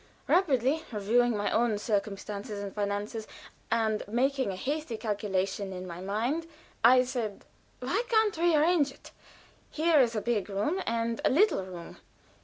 Rapidly reviewing my own circumstances and finances, and making a hasty calculation in my mind, I said: "Why can't we arrange it? Here is a big room and a little room.